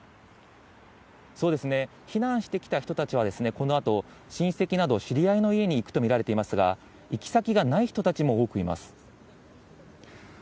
避難してきた人たちは、このあと親戚など知り合いの家に行くと見られていますが、行き先がない人たちも多くいます。